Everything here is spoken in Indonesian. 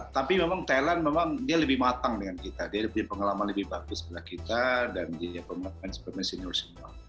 tapi memang talent memang dia lebih matang dengan kita dia punya pengalaman lebih bagus daripada kita dan dia punya pengalaman senior semua